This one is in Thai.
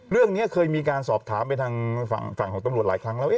เรื่องนี้เคยมีการสอบถามไปทางฝั่งของตำรวจหลายครั้งแล้ว